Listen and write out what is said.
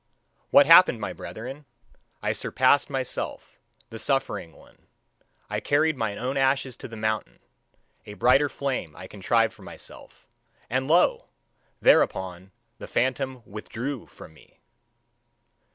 What happened, my brethren? I surpassed myself, the suffering one; I carried mine own ashes to the mountain; a brighter flame I contrived for myself. And lo! Thereupon the phantom WITHDREW from me!